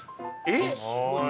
えっ？